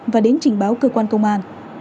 và đến trình báo cơ quan công an